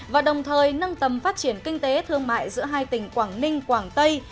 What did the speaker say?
và đồng thời nâng tầm phát triển kinh tế thương mại giữa hai tỉnh quảng ninh quảng tây